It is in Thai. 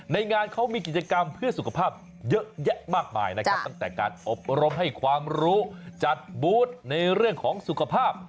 งานเขามีกิจกรรมเพื่อสุขภาพเยอะแยะมากมายนะครับตั้งแต่การอบรมให้ความรู้จัดบูธในเรื่องของสุขภาพ